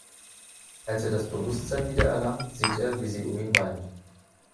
Als er das Bewusstsein wiedererlangt, sieht er, wie sie um ihn weint.